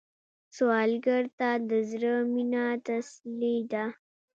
سوالګر ته د زړه مينه تسلي ده